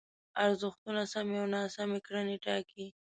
ارزښتونه سمې او ناسمې کړنې ټاکي.